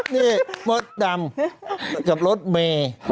นี่รถดำแล้วกับรถเม